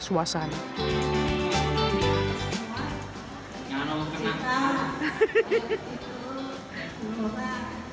sebagai penyelidikan iryana menghadiri penyelidikan antinarcoba